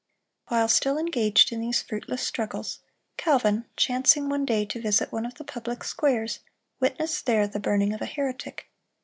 While still engaged in these fruitless struggles, Calvin, chancing one day to visit one of the public squares, witnessed there the burning of a heretic.